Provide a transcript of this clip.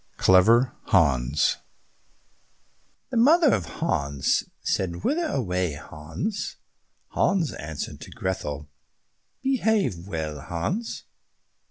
32 Clever Hans The mother of Hans said, "Whither away, Hans?" Hans answered, "To Grethel." "Behave well, Hans."